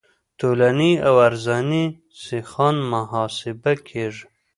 طولاني او عرضاني سیخان محاسبه کیږي